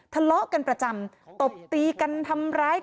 ทะเลาะกันประจำตบตีกันทำร้ายกัน